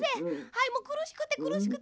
はいもうくるしくてくるしくて。